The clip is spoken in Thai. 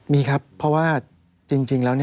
มีครับเพราะว่าจริงแล้ว